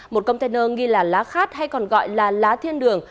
một container nghi là lá khát hay còn gọi là lá thiên đường